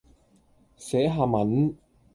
寫下文